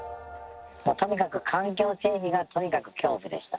もうとにかく環境整備が、とにかく恐怖でした。